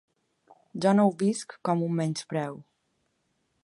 Jo no ho visc com un menyspreu.